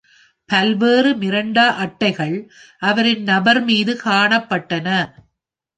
பல்வேறு மிரண்டா அட்டைகள் அவரின் நபர் மீது காணப்பட்டன.